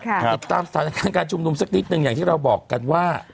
ติดตามสถานการณ์การชุมนุมสักนิดหนึ่งอย่างที่เราบอกกันว่า